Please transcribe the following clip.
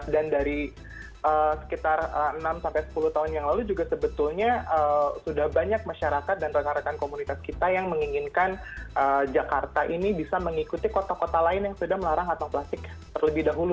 dan dari sekitar enam sepuluh tahun yang lalu juga sebetulnya sudah banyak masyarakat dan rekan rekan komunitas kita yang menginginkan jakarta ini bisa mengikuti kota kota lain yang sudah melarang kantong plastik terlebih dahulu